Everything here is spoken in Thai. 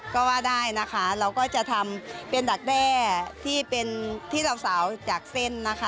ก็ว่าได้นะคะเราก็จะทำเป็นดักแด้ที่เป็นที่สาวจากเส้นนะคะ